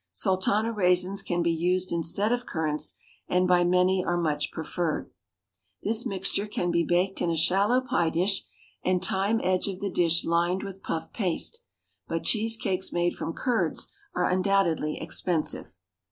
Sultana raisins can be used instead of currants, and by many are much preferred. This mixture can be baked in a shallow pie dish and time edge of the dish lined with puff paste, but cheese cakes made from curds are undoubtedly expensive.